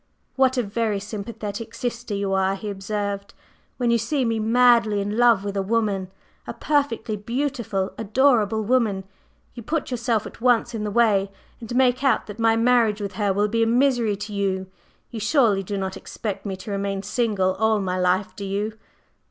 "What a very sympathetic sister you are!" he observed. "When you see me madly in love with a woman a perfectly beautiful, adorable woman you put yourself at once in the way and make out that my marriage with her will be a misery to you. You surely do not expect me to remain single all my life, do you?"